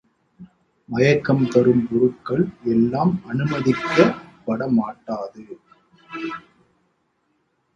மயக்கம் தரும் பொருள்கள் எல்லாம் அனுமதிக்கப்பட மாட்டாது.